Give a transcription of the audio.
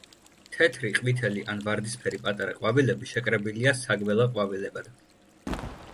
თეთრი, ყვითელი ან ვარდისფერი პატარა ყვავილები შეკრებილია საგველა ყვავილედებად.